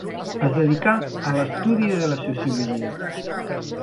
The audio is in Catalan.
Es dedicà a l'estudi de la sociologia.